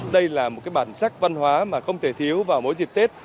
đây là một bản sắc văn hóa mà không thể thiếu vào mỗi dịp tết